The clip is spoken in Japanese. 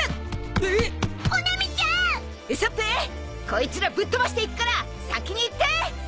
こいつらぶっ飛ばしていくから先に行って！